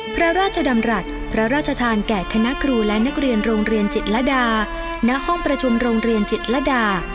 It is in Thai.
พระราชดำรัฐพระราชทานแก่คณะครูและนักเรียนโรงเรียนจิตรดาณห้องประชุมโรงเรียนจิตรดา